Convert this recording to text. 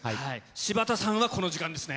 柴田さんはこの時間ですね。